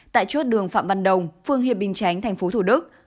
tại chốt đường phạm văn đồng phường hiệp bình chánh tp thủ đức